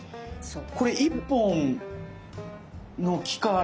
これ一本の木から。